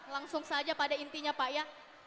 langsung saja pada intinya pak ya